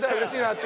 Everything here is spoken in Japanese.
って。